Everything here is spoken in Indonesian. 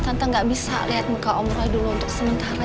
tante gak bisa lihat muka umroh dulu untuk sementara